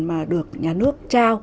mà được nhà nước trao